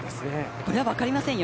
これは分かりませんよ。